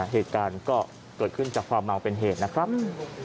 เหตุการณ์ก็เกิดขึ้นจากความเมาเป็นเหตุนะครับ